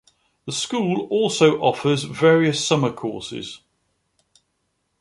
The school also offers various summer courses.